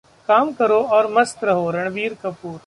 काम करो और मस्त रहो: रणबीर कपूर